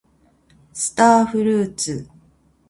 スターフルーツ